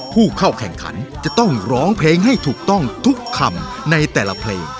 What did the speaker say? ผู้เข้าแข่งขันจะต้องร้องเพลงให้ถูกต้องทุกคำในแต่ละเพลง